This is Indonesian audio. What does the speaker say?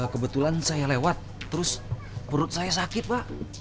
kebetulan saya lewat terus perut saya sakit pak